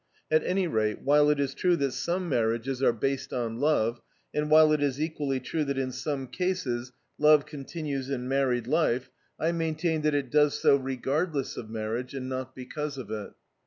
At any rate, while it is true that some marriages are based on love, and while it is equally true that in some cases love continues in married life, I maintain that it does so regardless of marriage, and not because of it.